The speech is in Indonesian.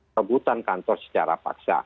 kebutuhan kantor secara paksa